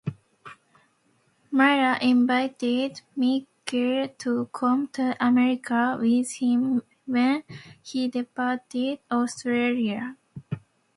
Miller invited Meeske to come to America with him when he departed Australia.